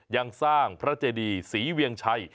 ยังสร้างพระเจดีสีเวียงไช